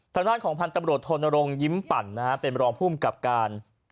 สำนักของพันธุ์ตำรวจธนโรงยิ้มปั่นเป็นรองภูมิกับการ